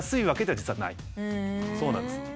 そうなんです。